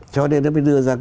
cho nên nó mới đưa ra